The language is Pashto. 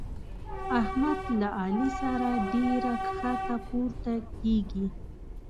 احمد له علي سره ډېره کښته پورته کېږي.